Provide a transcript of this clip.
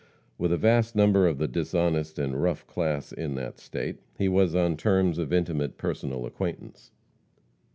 With a vast number of the dishonest and rough class in that state, he was on terms of intimate personal acquaintance.